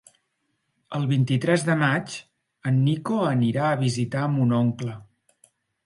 El vint-i-tres de maig en Nico anirà a visitar mon oncle.